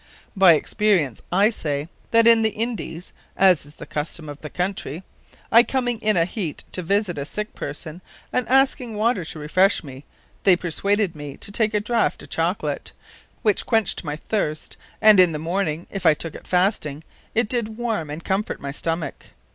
By experience, I say, that in the Indies (as is the custom of that countrey) I comming in a heat to visite a sick person, and asking water to refresh me, they perswaded mee to take a Draught of Chocolate; which quencht my thirst: & in the morning (if I took it fasting) it did warme and comfort my stomack.